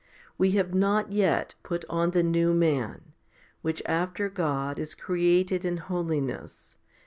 We have not yet put on the new man, which after God is created in holiness?